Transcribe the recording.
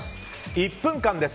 １分間です。